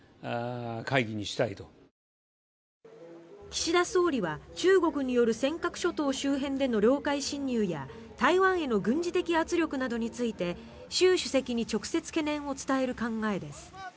岸田総理は、中国による尖閣諸島周辺での領海侵入や台湾への軍事的圧力などについて習主席に直接懸念を伝える考えです。